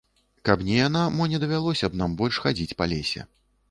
Каб не яна, мо не давялося б нам больш хадзіць па лесе.